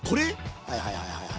はいはいはいはい。